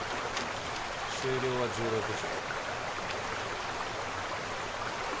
終了は１６時。